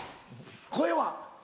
声は？